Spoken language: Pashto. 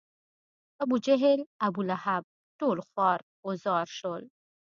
ابوجهل، ابولهب ټول خوار و زار شول.